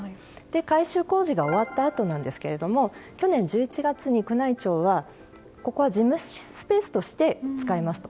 改修工事が終わったあとですが去年１１月に、宮内庁はここは事務スペースとして使いますと。